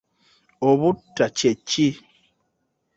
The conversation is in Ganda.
Obutta kye ki?